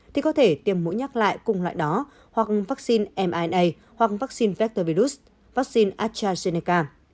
thì có thể tiêm mũi nhắc lại cùng loại đó hoặc vaccine mrna hoặc vaccine vector virus vaccine astrazeneca